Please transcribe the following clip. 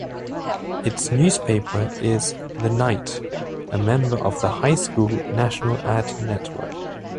Its newspaper is The Knight, a member of the High School National Ad Network.